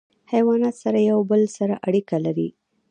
حیوانات سره یو بل سره اړیکه لري.